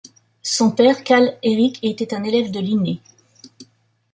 Son père Carl Erik était un élève de Linné.